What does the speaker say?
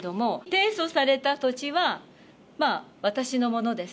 提訴された土地は、私のものです。